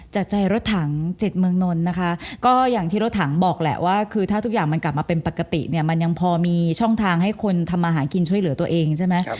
จากใจรถถัง๗เมืองนนท์นะคะก็อย่างที่รถถังบอกแหละว่าคือถ้าทุกอย่างมันกลับมาเป็นปกติเนี่ยมันยังพอมีช่องทางให้คนทำมาหากินช่วยเหลือตัวเองใช่ไหม